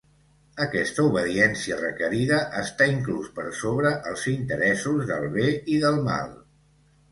Aquesta obediència requerida està inclús per sobre els interessos del bé i del mal.